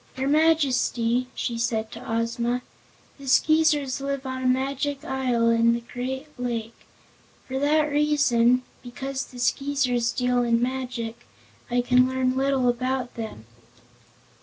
"Your Majesty," she said to Ozma, "the Skeezers live on a Magic Isle in a great lake. For that reason because the Skeezers deal in magic I can learn little about them."